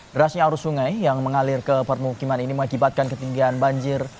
derasnya arus sungai yang mengalir ke permukiman ini mengakibatkan ketinggian banjir